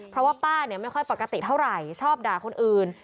เพราะว่าป้าเนี่ยไม่ค่อยปกติเท่าไหร่ชอบด่าคนอื่น